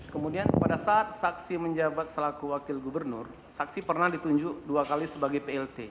kemudian pada saat saksi menjabat selaku wakil gubernur saksi pernah ditunjuk dua kali sebagai plt